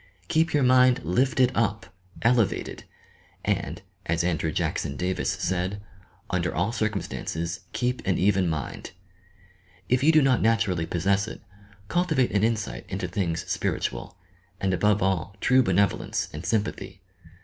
Keep your mind lifted up, elevated ; and, as Andrew Jackson Davis said, "Under all circumstances keep an even mind." If you do not naturally possess it, cultivate an insight into things spiritual, and above all true benevolence and sympathy.